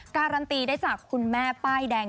การันตีได้จากคุณแม่ป้ายแดง